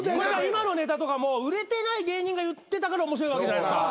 今のネタとかも売れてない芸人が言ってたから面白いわけじゃないですか。